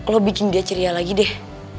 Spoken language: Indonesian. lo bikin dia ceria lagi deh